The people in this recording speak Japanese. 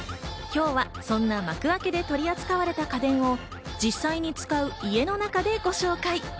今日はそんなマクアケで取り扱われた製品を実際に使う家の中で紹介。